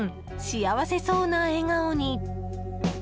幸せそうな笑顔に。